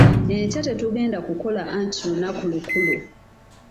Enkya tetugenda kukola anti lunaku lukulu.